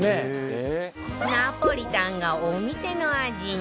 ナポリタンがお店の味に